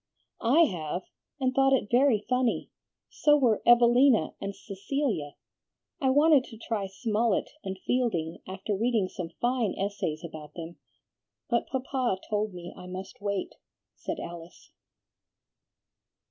"I have, and thought it very funny; so were 'Evelina' and 'Cecilia.' I wanted to try Smollett and Fielding, after reading some fine essays about them, but Papa told me I must wait," said Alice.